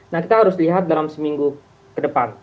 nah kita harus lihat dalam seminggu ke depan